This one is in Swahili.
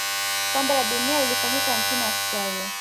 kombe la dunia lilifanyika nchini australia